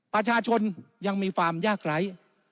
ประชาชนยังมีความยากไร้